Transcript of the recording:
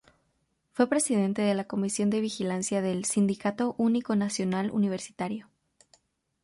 Fue presidente de la Comisión de Vigilancia del "Sindicato Único Nacional Universitario".